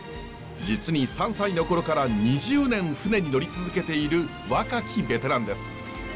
実に３歳の頃から２０年船に乗り続けている若きベテランです。